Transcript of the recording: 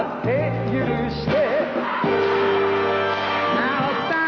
なあおっさん